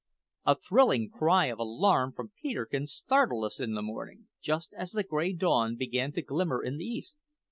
A thrilling cry of alarm from Peterkin startled us in the morning, just as the grey dawn began to glimmer in the east.